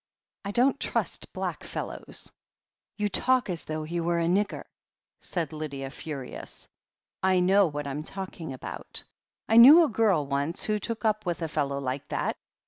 I don't trust black fellows." "You talk as though he were a nigger !" said Lydia, furious. "I know what I'm talking about. I knew a girl once who took up with a fellow like that.